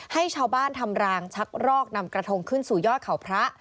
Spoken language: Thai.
ให้ชาวบ้านทำรางชักรอกนำกระทงขึ้นสู่ยอดเขาพระ